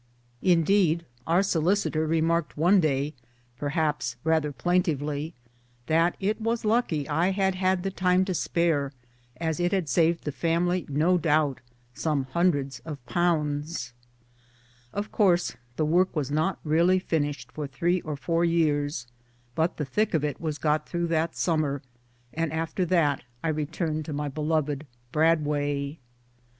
Indeed 1 our solicitor remarked one day, per haps rather plaintively, that it was lucky I had had the time to spare, as it had saved 1 the family no doubt some hundreds of pounds 1 Of course the work was not really finished for three or four years, but the thick of it was got through that summer, and after that I returned to my beloved Bradway.